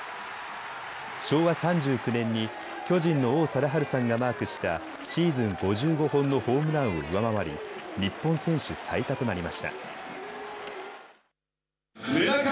昭和３９年に巨人の王貞治さんがマークしたシーズン５５本のホームランを上回り日本選手最多となりました。